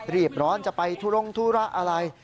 รีบร้อนจะไปทุรงธุระอะไร